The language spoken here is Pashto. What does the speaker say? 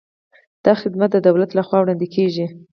دا خدمات د دولت له خوا وړاندې کیږي.